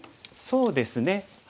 そうですね。